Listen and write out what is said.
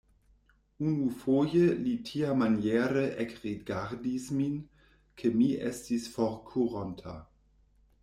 Unufoje li tiamaniere ekrigardis min, ke mi estis forkuronta.